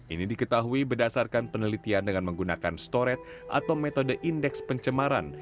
ini diketahui berdasarkan penelitian dengan menggunakan storet atau metode indeks pencemaran